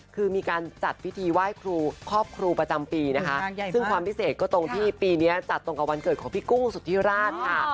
คือมีการจัดพิธีไหว้ครูครอบครูประจำปีนะคะซึ่งความพิเศษก็ตรงที่ปีนี้จัดตรงกับวันเกิดของพี่กุ้งสุธิราชค่ะ